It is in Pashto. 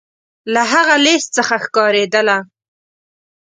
له هغه لیست څخه ښکارېدله.